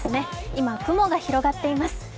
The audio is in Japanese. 今、雲が広がっています